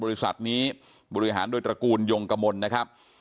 บริษัทนี้บริหารโดยตระกูลยงกมลนะครับ